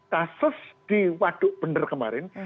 tasus di waduk bender kemarin